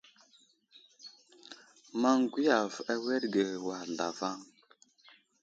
Maŋ gwiyave awerge war zlavaŋ.